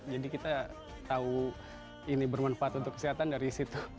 jadi kita tahu ini bermanfaat untuk kesehatan dari situ